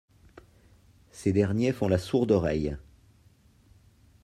Ces derniers font la sourde oreille.